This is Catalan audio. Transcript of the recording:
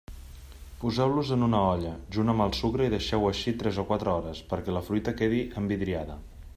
Poseu-los en una olla, junt amb el sucre i deixeu-ho així tres o quatre hores, perquè la fruita quedi envidriada.